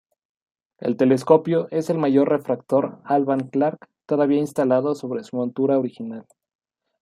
El telescopio es el mayor refractor Alvan Clark todavía instalado sobre su montura original.